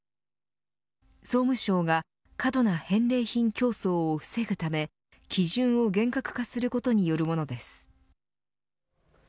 総務省が過度な返礼品競争を防ぐため基準を厳格化することによるものです。